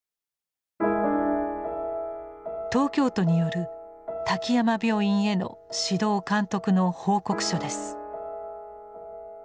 東京都による滝山病院への指導監督の報告書です。